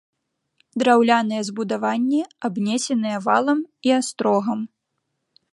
Драўляныя збудаванні абнесеныя валам і астрогам.